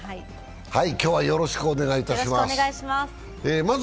今日はよろしくお願いいたします。